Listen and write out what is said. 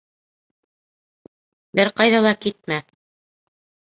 — Бер ҡайҙа ла китмә!